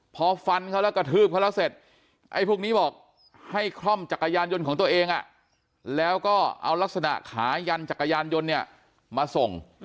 พอฟันเขาแล้วกระทืบเขาแล้วเสร็จไอ้พวกนี้บอกให้คล่อมจักรยานยนต์ของตัวเองแล้วก็เอาลักษณะขายันจักรยานยนต์เนี่ยมาส่ง